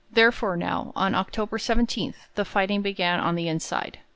Therefore now, on October 17, the fighting began on the inside.